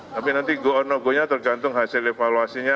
tapi nanti go on no go nya tergantung hasil evaluasinya